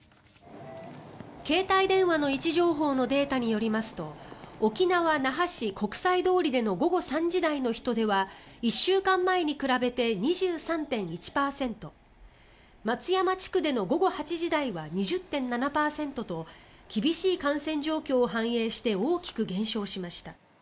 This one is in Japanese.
携帯電話の位置情報のデータによりますと沖縄・那覇市国際通りでの午後３時台の人出は１週間前に比べて２３．１％松山地区での午後８時台は２０．７％と厳しい感染状況を反映して大きく減少しました。